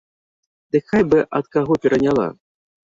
Дык хай бы ад каго пераняла.